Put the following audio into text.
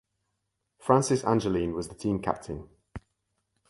Francis Angeline was the team captain.